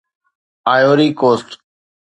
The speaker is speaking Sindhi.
Ivory coast